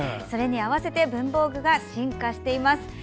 それに合わせて文房具が進化しています。